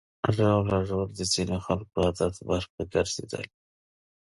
ژاوله ژوول د ځینو خلکو د عادت برخه ګرځېدلې ده.